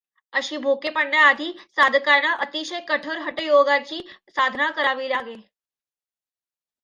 अशी भोके पाडण्याआधी साधकांना अतिशय कठोर हटयोगाची साधना करावी लागे.